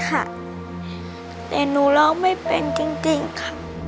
แต่หนูร้องไม่เป็นจริงค่ะ